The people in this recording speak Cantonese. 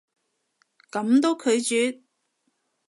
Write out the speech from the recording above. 噉都拒絕？